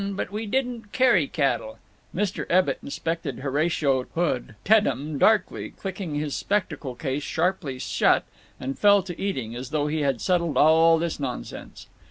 But we didn't carry cattle." Mr. Ebbitt inspected Horatio Hood Teddem darkly, clicked his spectacle case sharply shut, and fell to eating, as though he had settled all this nonsense.